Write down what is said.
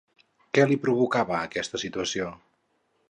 Què li provocava aquesta situació?